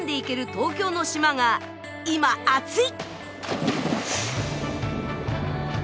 東京の島が今アツい！